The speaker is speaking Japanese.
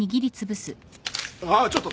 あっちょっと！